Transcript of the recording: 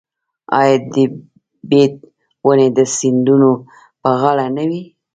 آیا د بید ونې د سیندونو په غاړه نه وي؟